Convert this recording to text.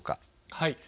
はい。